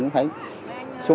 ví dụ có